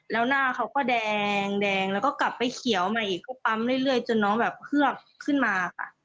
แล้วหน้าเขาก็แดงแล้วก็กลับไปเขียวใหม่อีกก็ปั๊มเรื่อยจนน้องแบบเฮือกขึ้นมาค่ะ